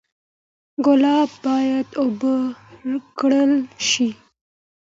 ګلان باید اوبه کړل شي.